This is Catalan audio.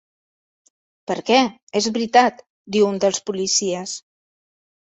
"Per què, és veritat", diu un dels policies.